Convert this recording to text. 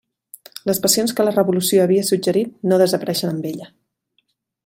Les passions que la revolució havia suggerit no desapareixen amb ella.